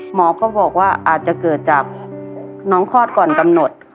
หมอก็บอกว่าอาจจะเกิดจากน้องคลอดก่อนกำหนด